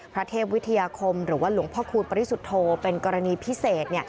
พระเทพวิทยาคมหรือว่าหลวงพ่อคูณปริสุทธโธเป็นกรณีพิเศษ